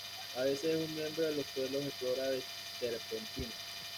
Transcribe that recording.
A veces es un miembro de los suelos de flora de serpentina.